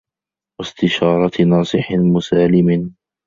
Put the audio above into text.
وَاسْتِشَارَةِ نَاصِحٍ مُسَالِمٍ